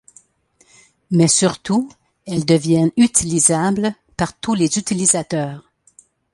Mais surtout, elles deviennent utilisables par tous les utilisateurs.